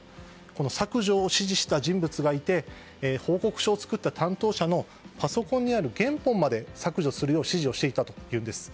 この削除を指示した人物がいて報告書を作った担当者のパソコンにある原本まで削除するよう指示をしていたというんです。